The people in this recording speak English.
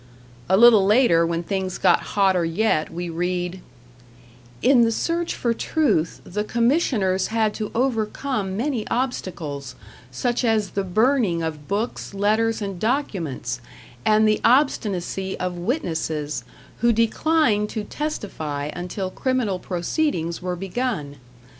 A little later, when things got hotter yet, we read: In the search for truth the Commissioners had to overcome many obstacles, such as the burning of books, letters and documents, and the obstinacy of witnesses, who declined to testify until criminal proceedings were begun.